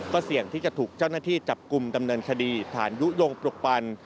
ก็เสี่ยงที่จะถูกเจ้าหน้าที่จับกลุ่มดำเนินคดีฐานยุโยงปลุกปัน